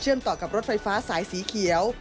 ต่อกับรถไฟฟ้าสายสีเขียว